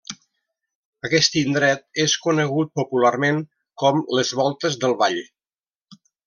Aquest indret és conegut popularment com les voltes del Vall.